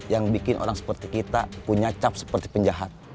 yang bikin orang seperti kita punya cap seperti penjahat